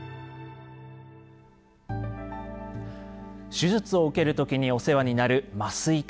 手術を受ける時にお世話になる麻酔科医。